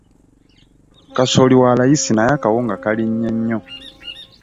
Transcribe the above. Kasooli wa layisi naye akawunga kalinnye nnyo.